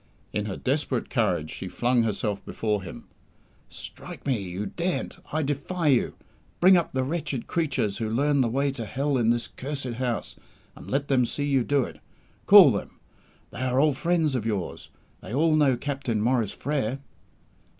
In her desperate courage, she flung herself before him. "Strike me! You daren't! I defy you! Bring up the wretched creatures who learn the way to Hell in this cursed house, and let them see you do it. Call them! They are old friends of yours. They all know Captain Maurice Frere."